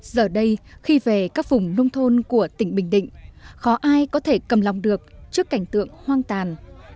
giờ đây khi về các vùng nông thôn của tỉnh bình định khó ai có thể cầm lòng được trước cảnh tượng hoang tàn